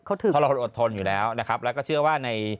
เพราะเราอดทนอยู่แล้วนะครับแล้วก็เชื่อว่าใน